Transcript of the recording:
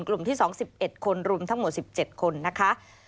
กลุ่มที่๒๑คนรวมทั้งหมด๑๗คนนะคะ